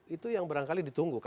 itu yang barangkali ditunggu